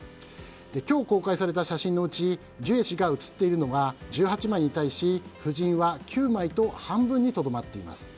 今日公開された写真のうちジュエ氏が写っているのが１８枚に対し夫人は９枚と半分にとどまっています。